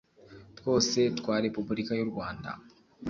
twose twa repubulika y urwanda